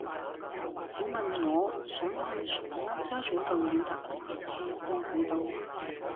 請問我想去荃灣沙咀道要搭乜嘢車先去到